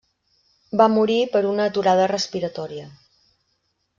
Va morir per una aturada respiratòria.